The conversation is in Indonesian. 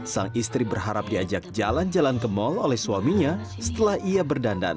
sang istri berharap diajak jalan jalan ke mal oleh suaminya setelah ia berdandan